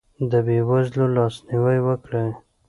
د بې وزلو لاسنیوی وکړئ.